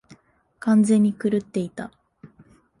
完全に狂っていた。